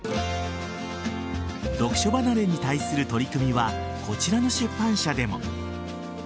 読書離れに対する取り組みはこちらの出版社でも。